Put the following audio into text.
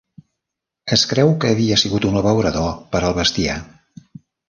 Es creu que havia sigut un abeurador per al bestiar.